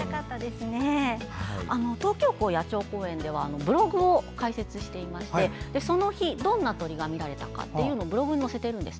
東京港野鳥公園ではブログを開設していましてその日、どんな鳥が見られたかをブログに載せているんです。